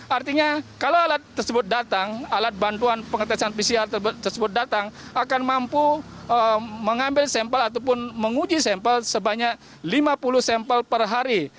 artinya kalau alat tersebut datang alat bantuan pengetesan pcr tersebut datang akan mampu mengambil sampel ataupun menguji sampel sebanyak lima puluh sampel per hari